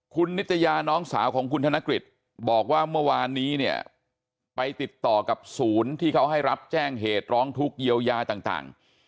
คุณนิตยาน้องสาวของคุณธนกฤษบอกว่าเมื่อวานนี้เนี่ยไปติดต่อกับศูนย์ที่เขาให้รับแจ้งเหตุร้องทุกข์เยียวยาต่าง